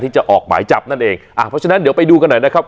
จะออกหมายจับนั่นเองอ่าเพราะฉะนั้นเดี๋ยวไปดูกันหน่อยนะครับ